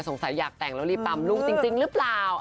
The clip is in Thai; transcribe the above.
สงสัยอยากแต่งโรลี่ปัแปมลูกจริงรึเปล่า